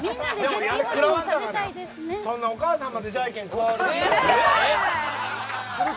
そんな、お母さんまでじゃんけん加わるのは。